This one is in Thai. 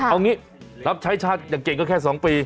เอางี้รับใช้ชาติอย่างเก่งก็แค่๒ปี